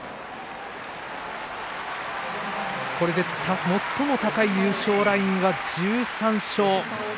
これで最も高い優勝ラインは１３勝です。